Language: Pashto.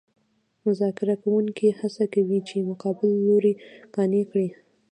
مذاکره کوونکي هڅه کوي چې مقابل لوری قانع کړي